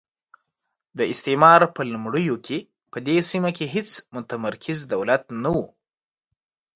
د استعمار په لومړیو کې په دې سیمه کې هېڅ متمرکز دولت نه وو.